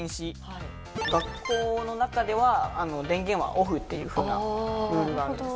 学校の中では電源はオフっていうふうなルールがあるんです。